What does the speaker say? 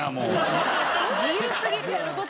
自由すぎ。